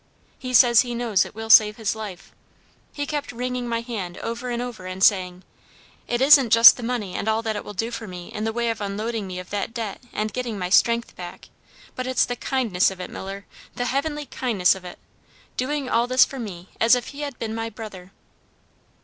He says he knows it will save his life. He kept wringing my hand, over and over, and saying, 'It isn't just the money and all that it will do for me in the way of unloading me of that debt and getting my strength back, but it's the kindness of it, Miller, the heavenly kindness of it! Doing all this for me as if he had been my brother!'"